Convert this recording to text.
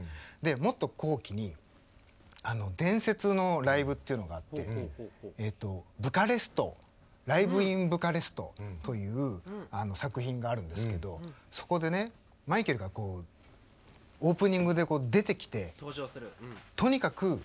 もっと後期に伝説のライブっていうのがあって「ブカレスト」「ライヴ・イン・ブカレスト」という作品があるんですけどそこでマイケルがオープニングで出てきてとにかく動かないっていう。